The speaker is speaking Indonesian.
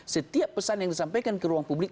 setiap pesan yang disampaikan ke ruang publik